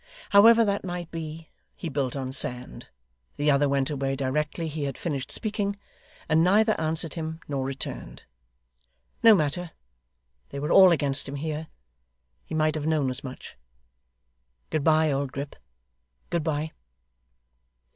However that might be, he built on sand. The other went away directly he had finished speaking, and neither answered him, nor returned. No matter. They were all against him here: he might have known as much. Good bye, old Grip, good bye!